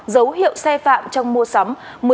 dấu hiệu xe phạm trong mua sắm